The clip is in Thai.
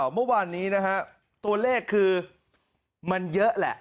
เมื่อวานนี้นะฮะตัวเลขคือมันเยอะแหละ